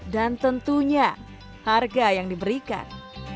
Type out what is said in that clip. dan tentunya harga yang diberikan